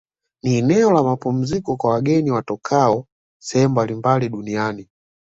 Ni eneo la mapumziko kwa wageni watokao sehemu mbalimbali duniani